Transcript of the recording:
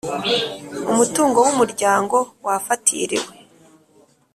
Umutungo w umuryango wafatiriwe